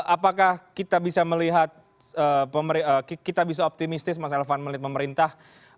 apakah kita bisa melihat kita bisa optimistis mas elvan melihat pemerintah